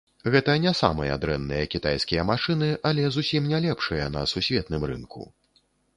Гэта не самыя дрэнныя кітайскія машыны, але зусім не лепшыя на сусветным рынку.